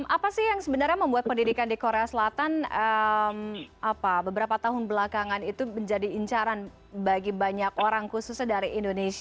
apa sih yang sebenarnya membuat pendidikan di korea selatan beberapa tahun belakangan itu menjadi incaran bagi banyak orang khususnya dari indonesia